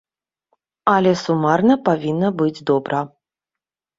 Але сумарна павінна быць добра.